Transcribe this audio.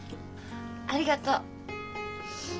ありがとう。